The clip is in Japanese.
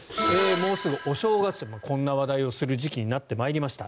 もう１つ、お正月とこんな話題をする時期になってまいりました。